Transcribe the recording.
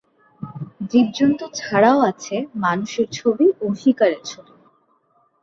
জীবজন্তু ছাড়াও আছে মানুষের ছবি ও শিকারের ছবি।